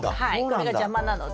これが邪魔なので。